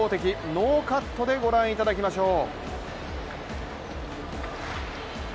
ノーカットでご覧いただきましょう。